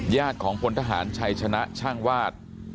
ของพลทหารชัยชนะช่างวาด